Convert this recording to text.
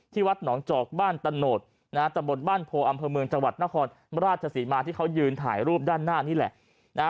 วัดหนองจอกบ้านตะโนธนะฮะตะบนบ้านโพอำเภอเมืองจังหวัดนครราชศรีมาที่เขายืนถ่ายรูปด้านหน้านี่แหละ